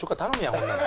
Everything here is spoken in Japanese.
ほんなら。